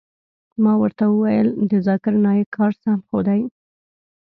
ما ورته وويل د ذاکر نايک کار سم خو دى.